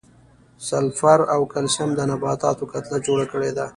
سلفر او کلسیم د نباتاتو کتله جوړه کړې ده.